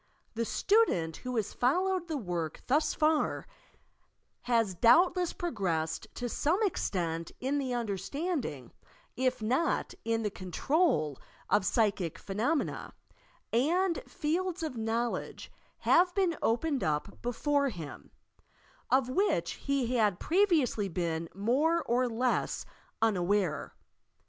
The student who ban followed the work thus far has doubtless progressed to some extent in the understanding, if not in the control, of psyehie phenomena, and iields of knowledge have been opened up before him, of which he had pre viously been more or less unaware.